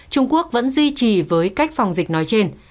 trung quốc vẫn duy trì với cách phòng dịch nói trên